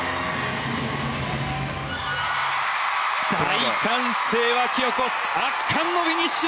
大歓声沸き起こす圧巻のフィニッシュ！